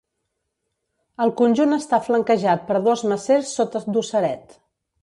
El conjunt està flanquejat per dos macers sota dosseret.